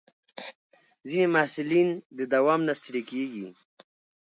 ځینې محصلین د دوام نه ستړي کېږي.